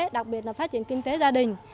đặc biệt là phát triển kinh tế gia đình